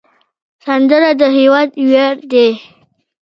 سندره د هیواد ویاړ دی